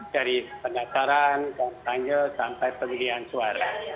dari pendaftaran kampanye sampai pemilihan suara